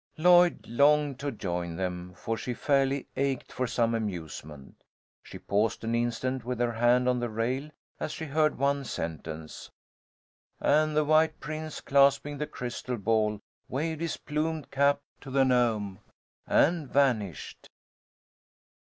Lloyd longed to join them, for she fairly ached for some amusement. She paused an instant, with her hand on the rail, as she heard one sentence: "And the white prince, clasping the crystal ball, waved his plumed cap to the gnome, and vanished."